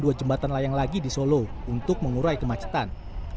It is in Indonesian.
dua jembatan layang lagi di solo untuk mengurai kemacetan